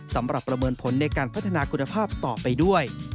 ประเมินผลในการพัฒนาคุณภาพต่อไปด้วย